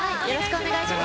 お願いします。